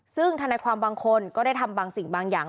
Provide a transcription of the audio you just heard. ซึ่งธนายความบางคนก็ได้ทำบางสิ่งบางอย่าง